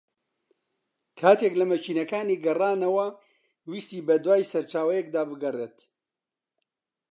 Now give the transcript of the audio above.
کاتێک لە مەکینەکانی گەڕانەوە ویستی بە دووای سەرچاوەیەکدا بگەڕێت